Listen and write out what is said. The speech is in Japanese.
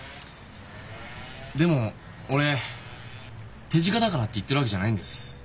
でも俺手近だからって言ってるわけじゃないんです。